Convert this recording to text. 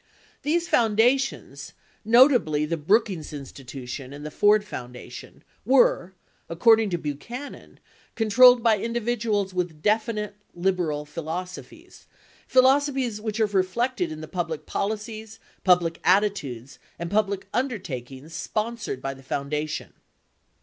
These foundations, notably the Brookings Institution and the Ford Foundation, were, according to Buchanan, controlled by individuals with definite liberal phi losophies — philosophies which are reflected in the public policies, public attitudes and public undertakings sponsored by the founda tion.